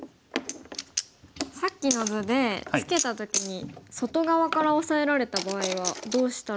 さっきの図でツケた時に外側からオサえられた場合はどうしたらいいんでしょうか。